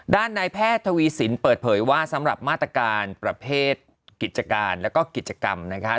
นายแพทย์ทวีสินเปิดเผยว่าสำหรับมาตรการประเภทกิจการแล้วก็กิจกรรมนะคะ